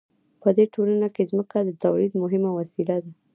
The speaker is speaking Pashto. په دې ټولنه کې ځمکه د تولید مهمه وسیله وه.